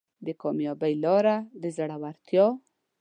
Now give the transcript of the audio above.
د کامیابۍ لاره د زړورتیا